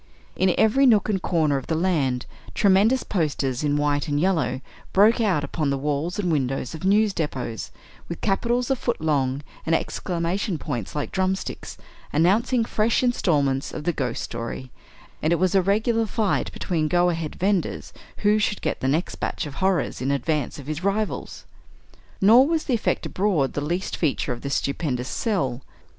In every nook and corner of the land, tremendous posters, in white and yellow, broke out upon the walls and windows of news depots, with capitals a foot long, and exclamation points like drumsticks, announcing fresh installments of the "Ghost" story, and it was a regular fight between go ahead vendors who should get the next batch of horrors in advance of his rivals. Nor was the effect abroad the least feature of this stupendous "sell."